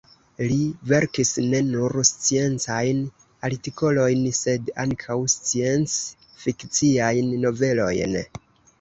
Li verkis ne nur sciencajn artikolojn, sed ankaŭ scienc-fikciajn novelojn.